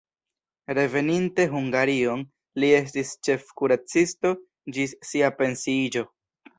Reveninte Hungarion li estis ĉefkuracisto ĝis sia pensiiĝo.